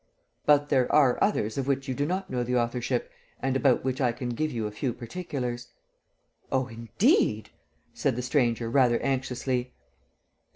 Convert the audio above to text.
"But there are others of which you do not know the authorship and about which I can give you a few particulars." "Oh, indeed!" said the stranger, rather anxiously.